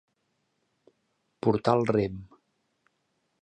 Portar el rem.